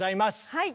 はい！